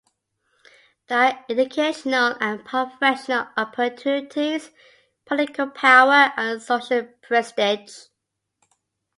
جیسے کہ تعلیمی اور پیشہ ورانہ مواقع، سیاسی طاقت، اور معاشرتی وقار